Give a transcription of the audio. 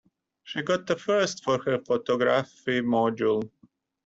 She got a first for her photography module.